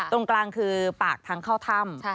ตรงกลางคือปากทางเข้าถ้ำ